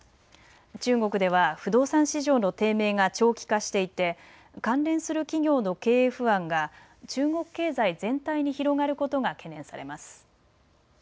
中国では不動産市場の低迷が長期化していて関連する企業の経営不安が中国経済全体に広がることが懸念されます。